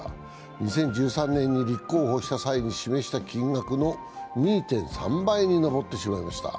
２０１３年に立候補した際に示した金額の２．３倍に上ってしまいました。